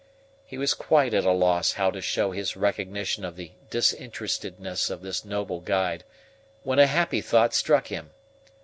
He was quite at a loss how to show his recognition of the disinterestedness of this noble guide, when a happy thought struck him.